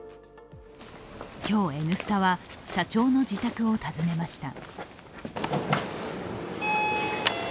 今日、「Ｎスタ」は社長の自宅を訪ねました。